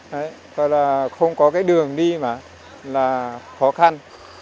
đấy gọi là không có cái đường đi mà là khó khăn